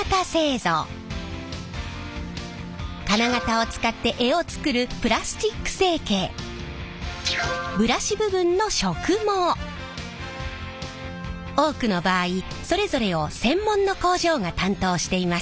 金型を使って柄を作るブラシ部分の多くの場合それぞれを専門の工場が担当しています。